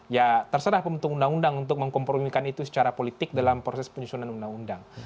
ya terserah pembentuk undang undang untuk mengkompromikan itu secara politik dalam proses penyusunan undang undang